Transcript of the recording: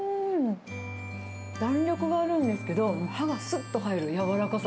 弾力があるんですけど、歯がすっと入る柔らかさ。